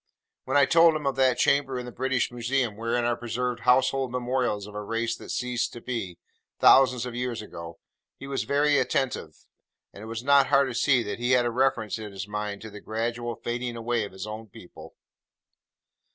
When I told him of that chamber in the British Museum wherein are preserved household memorials of a race that ceased to be, thousands of years ago, he was very attentive, and it was not hard to see that he had a reference in his mind to the gradual fading away of his own people.